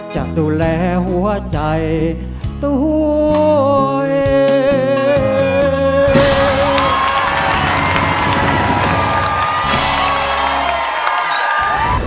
จะดูแลหัวใจตัวเอง